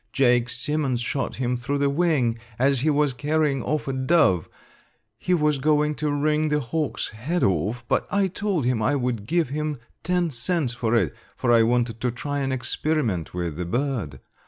Jake Timmons shot him through the wing as he was carrying off a dove; he was going to wring the hawk's head off, but I told him I would give him ten cents for it, for I wanted to try an experiment with the bird.